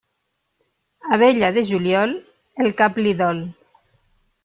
Abella de juliol, el cap li dol.